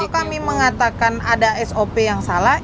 kalau kami mengatakan ada sop yang salah